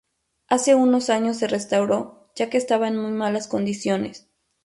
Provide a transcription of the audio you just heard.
Hace unos años se restauró ya que estaba en muy malas condiciones.